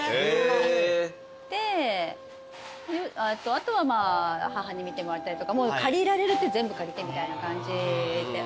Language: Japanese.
あとは母に見てもらったりとかもう借りられる手全部借りてみたいな感じで。